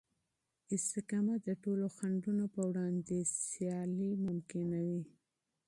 استقامت د ټولو خنډونو په وړاندې مقابله ممکنوي.